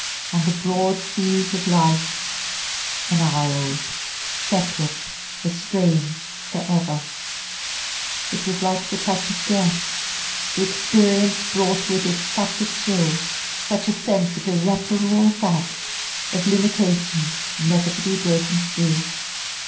"On the broad seas of life enisled" separate, estranged, for ever? It was like the touch of death the experience brought with it such a chill such a sense of irreparable fact, of limitations never to be broken through.